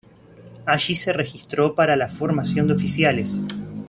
Allí se registró para la formación de oficiales.